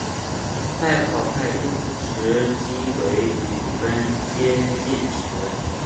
代跑派用时机为比分接近时。